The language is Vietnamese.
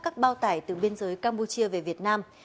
các bao tải từ biên giới campuchia về việt nam